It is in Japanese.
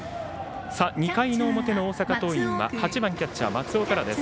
２回の表の大阪桐蔭は８番キャッチャー、松尾からです。